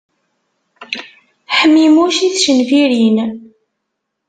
Ḥmimuc i tcenfirin.